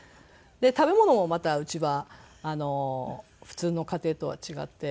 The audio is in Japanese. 食べ物もまたうちは普通の家庭とは違って。